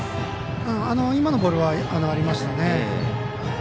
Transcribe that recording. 今のボールはありましたね。